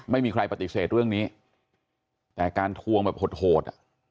ไม่มีใครปฏิเสธเรื่องนี้แต่การทวงหด